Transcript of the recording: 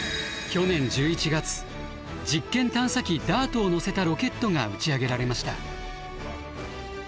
去年１１月実験探査機ＤＡＲＴを載せたロケットが打ち上げられました。